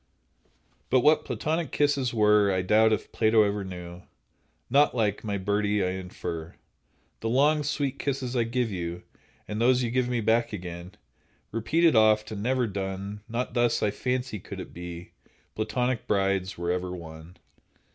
But what Platonic kisses were I doubt if Plato ever knew— Not like, my birdie, I infer, The long, sweet kisses I give you, And those you give me back again, Repeated oft, and never done; Not thus, I fancy, could it be Platonic brides were ever won.